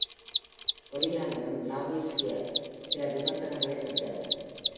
வெளியானதும், "love is here" சில விமர்சனங்களைப் பெற்றது.